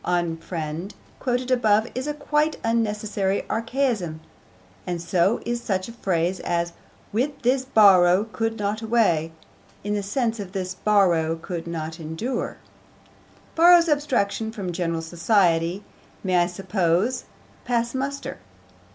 Unfriend, quoted above, is a quite unnecessary archaism, and so is such a phrase as With this Borrow could not away, in the sense of 'this Borrow could not endure.' 'Borrow's abstraction from general society' may, I suppose, pass muster.